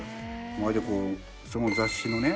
まるでその雑誌のね